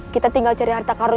kita tinggal cari harta karun